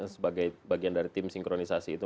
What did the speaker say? sebagai bagian dari tim sinkronisasi itu